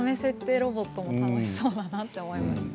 ダメ設定ロボットもおもしろそうだなと思います。